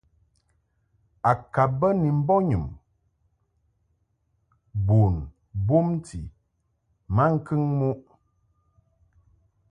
A ka mbə ni mbɔnyum bun bomti maŋkəŋ muʼ.